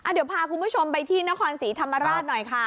เดี๋ยวพาคุณผู้ชมไปที่นครศรีธรรมราชหน่อยค่ะ